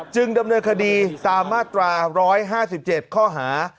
ดำเนินคดีตามมาตรา๑๕๗ข้อหา